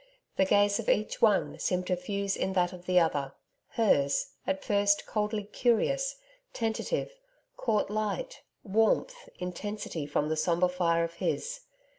The gaze of each one seemed to fuse in that of the other. Hers, at first coldly curious, tentative, caught light, warmth, intensity from the sombre fire of his.